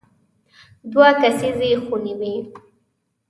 دوه کسیزې خونې وې.